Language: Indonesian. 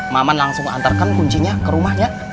maman langsung antarkan kuncinya ke rumahnya